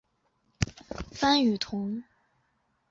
潘雨桐。